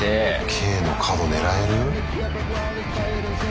Ｋの角狙える？